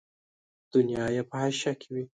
دنیا یې په حاشیه کې وي.